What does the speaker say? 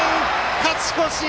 勝ち越し！